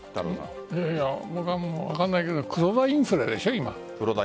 僕は分かんないけど黒田インフレでしょ。